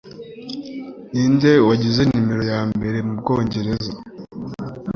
Ninde wagize numero ya mbere m’ Ubwongereza